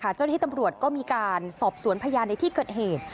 เจ้าหน้าที่ตำรวจก็มีการสอบสวนพยานในที่เกิดเหตุ